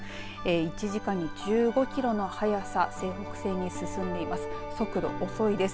１時間に１５キロの速さ西北西に進んでいます。